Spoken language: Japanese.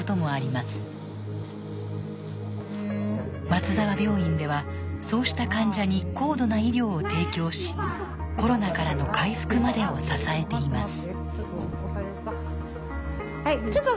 松沢病院ではそうした患者に高度な医療を提供しコロナからの回復までを支えています。